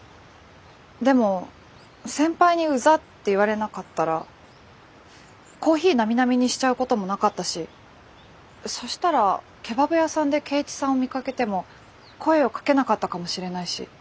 でも先輩に「うざっ」って言われなかったらコーヒーなみなみにしちゃうこともなかったしそしたらケバブ屋さんで圭一さんを見かけても声をかけなかったかもしれないし。